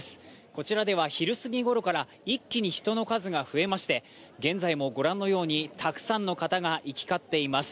こちらでは昼過ぎごろから一気に人の数が増えまして現在もご覧のようにたくさんの方が、行き交っています。